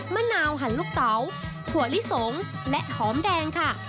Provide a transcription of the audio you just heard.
มะนาวหันลูกเต๋าถั่วลิสงและหอมแดงค่ะ